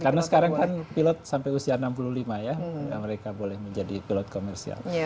karena sekarang kan pilot sampai usia enam puluh lima ya mereka boleh menjadi pilot komersial